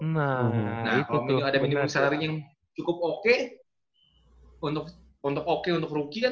nah kalau ada minimum salary yang cukup oke untuk rookie